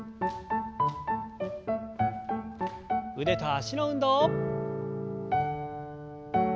腕と脚の運動。